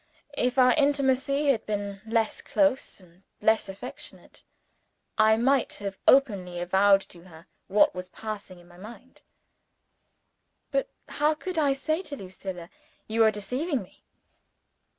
If our intimacy had been less close and less affectionate, I might have openly avowed to her what was passing in my mind. But how could I say to Lucilla, You are deceiving me?